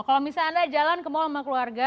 kalau misalnya anda jalan ke mal sama keluarga